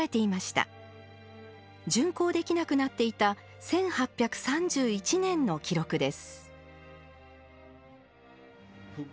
巡行できなくなっていた１８３１年の記録です。